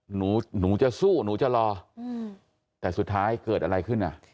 หนูหนูจะสู้หนูจะรออืมแต่สุดท้ายเกิดอะไรขึ้นอ่ะ